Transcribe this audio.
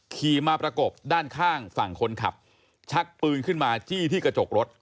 ขี่มาประกบด้านข้างฝั่งคนขับชักปืนขึ้นมาจี้ที่กระจกรถ